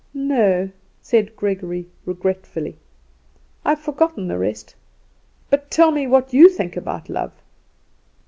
"No," said Gregory, regretfully; "I've forgotten the rest. But tell me what do you think about love?"